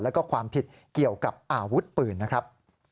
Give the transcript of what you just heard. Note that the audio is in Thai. แล้วก็ความผิดเกี่ยวกับอาวุธปืนนะครับ